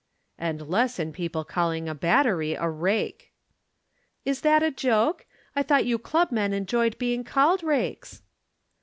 "And less in people calling a battery a rake." "Is that a joke? I thought you clubmen enjoyed being called rakes."